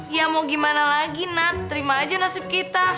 ya mau gimana lagi nak terima aja nasib kita